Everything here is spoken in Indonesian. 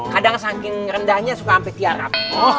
kadang saking rendahnya suka sampai tiarap